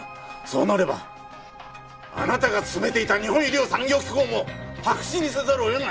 そうなればあなたが進めていた日本医療産業機構も白紙にせざるを得ない。